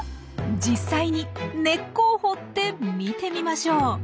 実際に根っこを掘って見てみましょう。